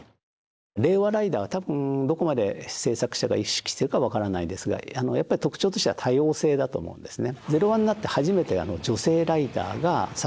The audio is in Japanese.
令和ライダーは多分どこまで制作者が意識してるか分からないですがやっぱ特徴としては多様性だと思うんですね。